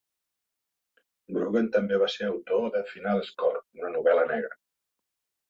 Grogan també va ser autor de "Final Score", una novel·la negra.